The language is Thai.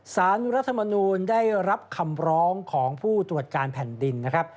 สารรัฐมนูลได้รับคำร้องของผู้ตรวจการแผ่นดินนะครับ